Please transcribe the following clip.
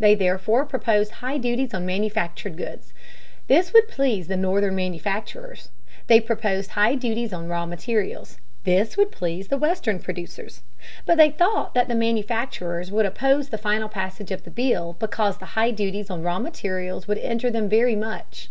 They therefore proposed high duties on manufactured goods. This would please the Northern manufacturers. They proposed high duties on raw materials. This would please the Western producers. But they thought that the manufacturers would oppose the final passage of the bill because the high duties on raw materials would injure them very much.